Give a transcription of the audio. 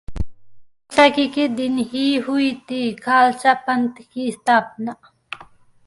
बैसाखी के दिन ही हुई थी खालसा पंथ की स्थापना